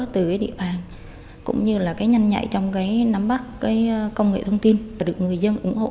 của địa bàn cũng như là cái nhanh nhạy trong cái nắm bắt cái công nghệ thông tin được người dân ủng hộ